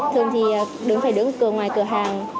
thường thì đứng phải đứng cửa ngoài cửa hàng